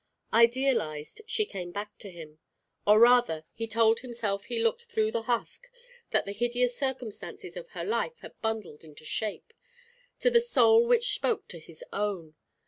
Idealised, she came back to him. Or, rather, he told himself he looked through the husk that the hideous circumstances of her life had bundled into shape, to the soul which spoke to his own.